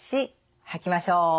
吐きましょう。